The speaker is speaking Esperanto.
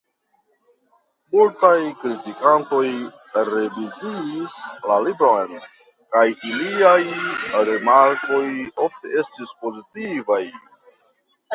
Multaj kritikantoj reviziis la libron kaj iliaj rimarkoj ofte estis pozitivaj.